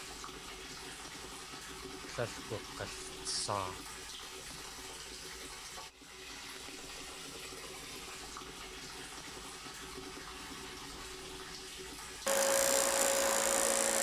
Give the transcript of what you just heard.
Tlél gug̲alsaa.